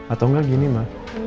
atau gak gini ma